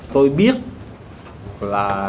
tôi biết là